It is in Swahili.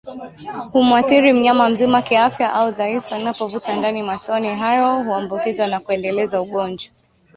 humwathiri Mnyama mzima kiafya au dhaifu anapovuta ndani matone hayo huambukizwa na kuendeleza ugonjwa